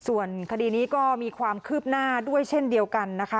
ส่วนคดีนี้ก็มีความคืบหน้าด้วยเช่นเดียวกันนะคะ